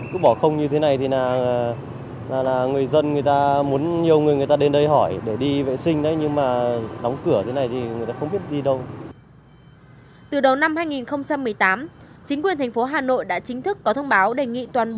công lòng quản lý dẫn đến tình trạng lãng phí hư hỏng